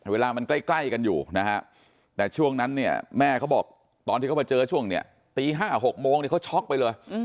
เวลามันใกล้กันอยู่นะฮะแต่ช่วงนั้นเนี่ยแม่เขาบอกตอนที่เขามาเจอช่วงเนี่ยตี๕๖โมงเขาช็อกไปเลย